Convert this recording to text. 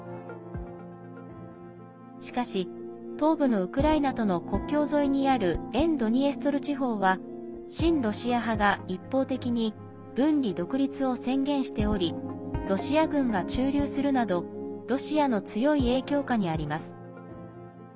しかし、東部のウクライナとの国境沿いにある沿ドニエストル地方は親ロシア派が一方的に分離独立を宣言しておりロシア軍が駐留するなどロシアの強い影響下にあります。